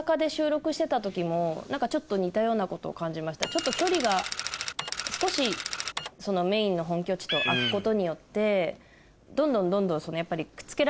ちょっと距離が少しメインの本拠地と空くことによってどんどんどんどんやっぱり。